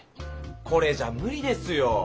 これじゃむりですよ。